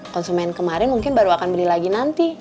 konsumen kemarin mungkin baru akan beli lagi nanti